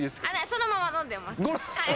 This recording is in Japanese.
そのまま飲んでます。